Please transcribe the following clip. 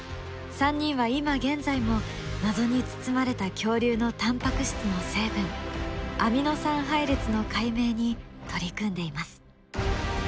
３人は今現在も謎に包まれた恐竜のタンパク質の成分アミノ酸配列の解明に取り組んでいます。